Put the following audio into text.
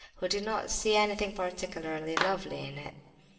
who did not see anything particularly lovely in it.